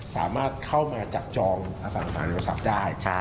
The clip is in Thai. สามารถเข้ามาจักรจองอสาหาในภาษาอันดับได้